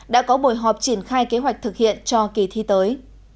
đã có buổi họp triển khai kế hoạch thực hiện cho kỳ thi tới